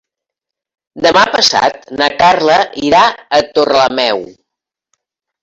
Demà passat na Carla irà a Torrelameu.